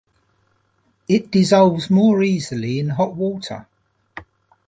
It dissolves more easily in hot water.